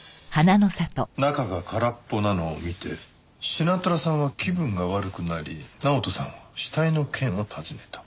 中が空っぽなのを見てシナトラさんは気分が悪くなり直人さんが死体の件を尋ねた。